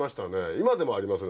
今でもありますね